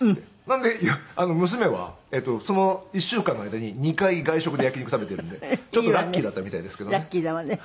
なんで娘はその１週間の間に２回外食で焼き肉食べてるんでラッキーだったみたいですけどね。